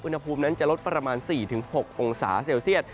อุณหภูมินั้นจะลดประมาณ๔๖องศาเซลเซียต